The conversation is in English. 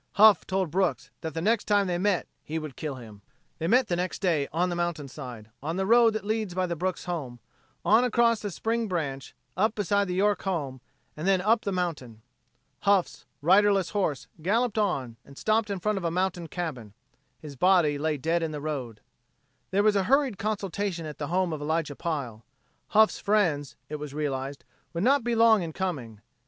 Huff told Brooks that the next time they met he would kill him. They met next day, on the mountainside, on the road that leads by the Brooks home, on across the spring branch, up beside the York home and then up the mountain. Huff's riderless horse galloped on and stopped in front of a mountain cabin; his body lay dead in the road. There was a hurried consultation at the home of Elijah Pile. Huff's friends, it was realized, would not be long in coming.